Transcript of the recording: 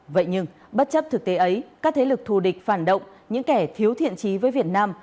vậy nhưng bất chấp thực tế ấy các thế lực thù địch phản động những kẻ thiếu thiện trí với việt nam